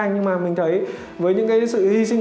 nhưng mà mình thấy với những sự hy sinh